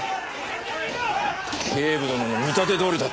警部殿の見立てどおりだったよ。